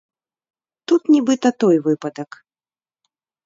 Тут нібыта той выпадак.